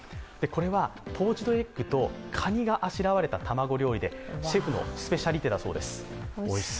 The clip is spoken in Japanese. これはポーチドエッグとかにがあしらわれた朝食でシェフのスペシャリテだそうです。